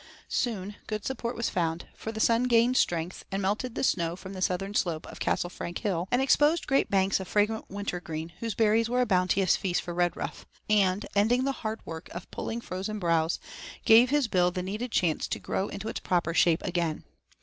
Soon good support was found, for the sun gained strength and melted the snow from the southern slope of Castle Frank Hill, and exposed great banks of fragrant wintergreen, whose berries were a bounteous feast for Redruff, and, ending the hard work of pulling frozen browse, gave his bill the needed chance to grow into its proper shape again.